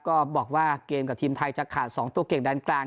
ก็บอกว่าเกมกับทีมไทยจะขาด๒ตัวเก่งด้านกลาง